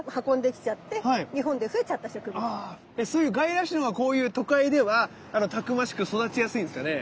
でそういう外来種のほうがこういう都会ではたくましく育ちやすいんですかね？